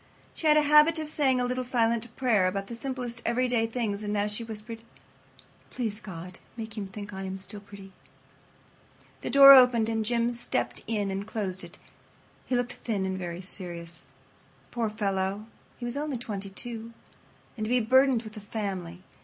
She had a habit of saying a little silent prayer about the simplest everyday things, and now she whispered: "Please God, make him think I am still pretty." The door opened and Jim stepped in and closed it. He looked thin and very serious. Poor fellow, he was only twenty two—and to be burdened with a family!